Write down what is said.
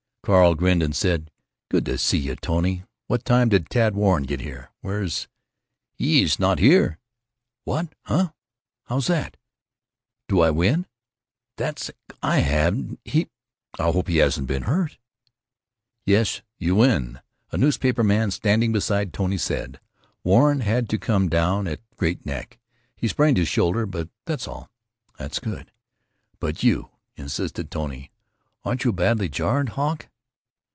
Carl grinned and said: "Good to see you, Tony. What time did Tad Warren get here? Where's——" "He ees not here yet." "What? Huh? How's that? Do I win? That——Say, gosh! I hope he hasn't been hurt." "Yes, you win." A newspaper man standing beside Tony said: "Warren had to come down at Great Neck. He sprained his shoulder, but that's all." "That's good." "But you," insisted Tony, "aren't you badly jarred, Hawk?"